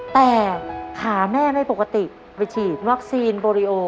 แต่ขาแม่ไม่ปกติไปฉีดวัคซีนโบริโอ